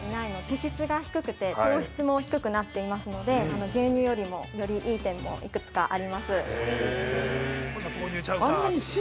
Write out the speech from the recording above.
脂質が低くて糖質も低くなっていますので牛乳よりもよりいい点も幾つかあります。